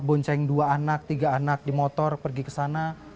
bonceng dua anak tiga anak di motor pergi ke sana